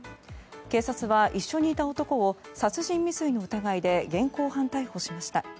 警察は一緒にいた男を殺人未遂の疑いで現行犯逮捕しました。